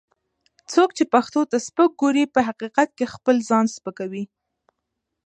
څوک چې پښتو ته سپک ګوري، په حقیقت کې خپل ځان سپکوي